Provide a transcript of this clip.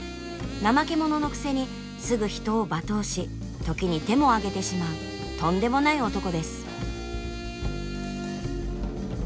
怠け者のくせにすぐ人を罵倒し時に手も上げてしまうとんでもない男です。